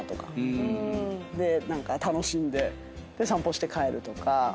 で楽しんで散歩して帰るとか。